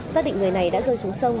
xác định người này đã rơi xuống sông